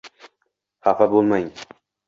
Xafa bo‘lmang: